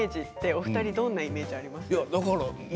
お二人は、どんなイメージがありますか？